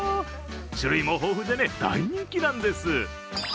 種類も豊富で大人気なんです。